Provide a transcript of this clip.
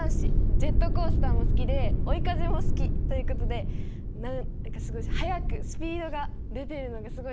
ジェットコースターも好きで「追い風」も好きということで何か速くスピードが出てるのがすごい好きなのかなと思いました。